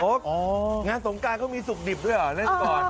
งานสงการเขามีสุขดิบด้วยเหรอเล่นก่อน